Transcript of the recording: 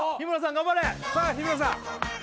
頑張れさあ日村さん